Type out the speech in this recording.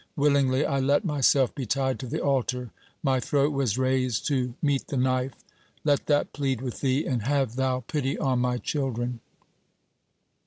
Willingly I let myself be tied to the altar, my throat was raised to meet the knife. Let that plead with Thee, and have Thou pity on my children."